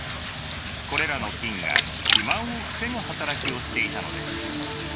これらの菌が肥満を防ぐ働きをしていたのです。